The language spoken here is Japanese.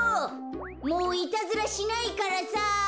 もういたずらしないからさ。